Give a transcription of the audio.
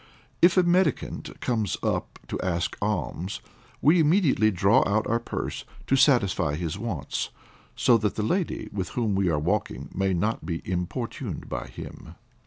If a mendicant comes up to ask alms, we immediately draw out our purse to satisfy his wants, so that the lady with whom we are walking may not be importuned by him.